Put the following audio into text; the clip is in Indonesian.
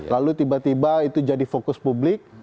lalu tiba tiba itu jadi fokus publik